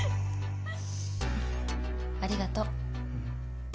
ありがと。